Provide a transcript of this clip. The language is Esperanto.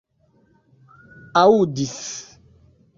aŭdis